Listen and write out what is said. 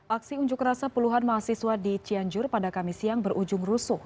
aksi unjuk rasa puluhan mahasiswa di cianjur pada kamis siang berujung rusuh